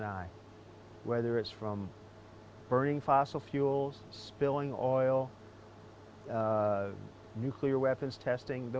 tidak kira dari membuang bahan fosil membuang minyak mencoba penyelamatan senjata